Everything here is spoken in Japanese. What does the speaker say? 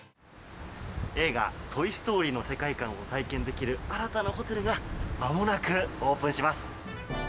映画「トイ・ストーリー」の世界観を体験できる新たなホテルがまもなくオープンします。